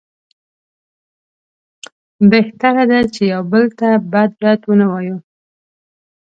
بهتره ده چې یو بل ته بد رد ونه وایو.